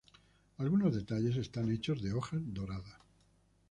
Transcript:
Algunos detalles están hechos de hojas doradas.